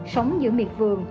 sống giữa miệt vườn